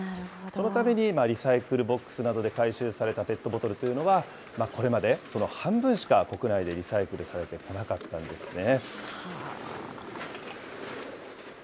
そのためにリサイクルボックスなどで回収されたペットボトルというのは、これまでその半分しか国内でリサイクルされてこなかったんですね。